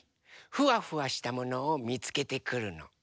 フワフワしたものをみつけてくるの。